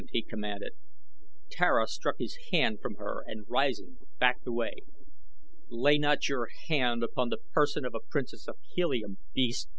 he commanded. Tara struck his hand from her and rising, backed away. "Lay not your hand upon the person of a princess of Helium, beast!"